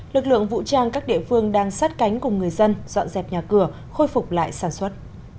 lực lượng vũ trang các địa phương đang sát cánh cùng người dân dọn dẹp nhà cửa khôi phục lại sản xuất